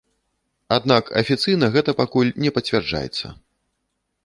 Аднак афіцыйна гэта пакуль не пацвярджаецца.